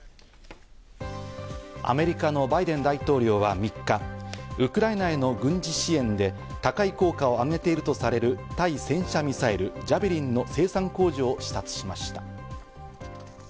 アメリカのバイデン大統領は３日、ウクライナへの軍事支援で高い効果を上げているとされる対戦車ミサイル、ジャベリンの生産工場を視察しました。